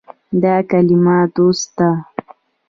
دا کلمه “دوست” ده.